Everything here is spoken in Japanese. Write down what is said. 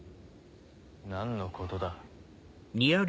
何のことだ？